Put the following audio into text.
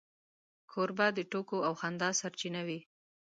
کوربه د ټوکو او خندا سرچینه وي.